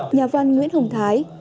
nhà văn nguyễn hồng thái